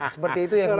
seperti itu ya